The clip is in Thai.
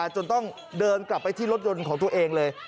จนต้องเดินกลับไปที่รถยนต์ของตัวเองเลย